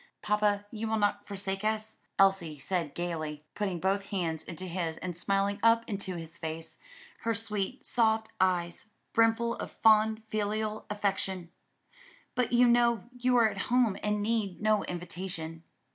"Papa, you will not forsake us?" Elsie said gayly, putting both hands into his and smiling up into his face, her sweet soft eyes, brimful of fond, filial affection; "but you know you are at home and need no invitation."